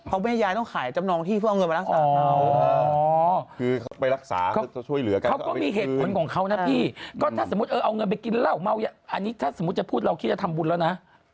รักษาตัวถ้าตามที่เขาพูดนะ